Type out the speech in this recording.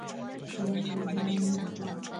شرنګ د جام نشته